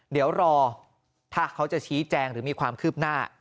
เดี๋ยวรอถ้าเขาจะชี้แจงหรือมีความคืบหน้า